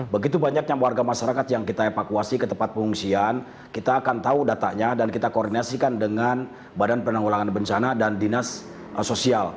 begitu banyaknya warga masyarakat yang kita evakuasi ke tempat pengungsian kita akan tahu datanya dan kita koordinasikan dengan badan penanggulangan bencana dan dinas sosial